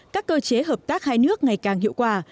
các cơ chế hợp tác hai nước ngày càng hiệu quả